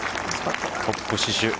トップ死守。